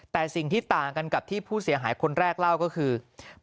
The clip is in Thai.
แต่สิ่งที่ต่างกันกับที่ผู้เสียหายคนแรกเล่าก็คือ